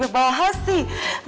di bawah haus sih